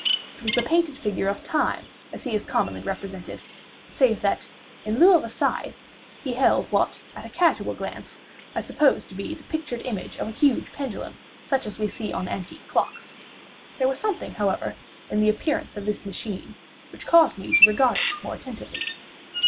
It was the painted figure of Time as he is commonly represented, save that, in lieu of a scythe, he held what, at a casual glance, I supposed to be the pictured image of a huge pendulum such as we see on antique clocks. There was something, however, in the appearance of this machine which caused me to regard it more attentively.